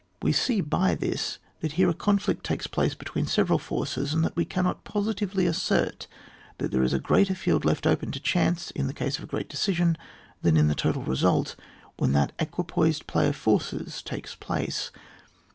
We see by this that here a conflict takes place between several forces, and that we cannot positively assert that there is a greater field left open to chance in the case of a great decision, than in the total result when that equipoised play of forces takes place.